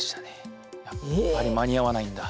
やっぱり間に合わないんだ。